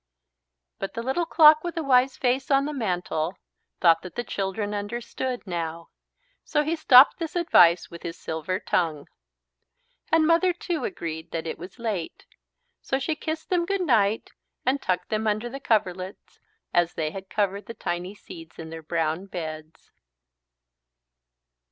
But the Little Clock with the Wise Face on the Mantle thought that the children understood now. So he stopped this advice with his silver tongue. And Mother, too, agreed that it was late. So she kissed them good night and tucked them under the coverlids as they had covered the tiny seeds in their brown beds.